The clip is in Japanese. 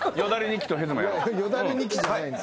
よだれニキじゃないです。